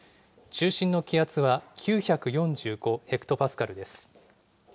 中心の気圧は９４５ヘクトパスカルです。